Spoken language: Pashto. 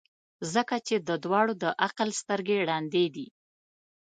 ځکه چي د دواړو د عقل سترګي ړندې دي.